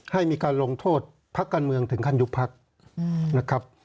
ให้มีการลงโทษพักการเมืองถึงขั้นยุบพักนะครับ